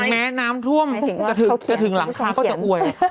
แม้น้ำท่วมจะถึงหลังคาก็จะอวย